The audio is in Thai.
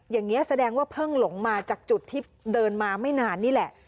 อย่างนี้แสดงว่าเพิ่งหลงมาจากจุดที่เดินมาไม่นานนี่แหละ